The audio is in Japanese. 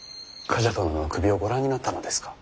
冠者殿の首をご覧になったのですか？